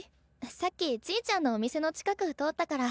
さっきちぃちゃんのお店の近く通ったから。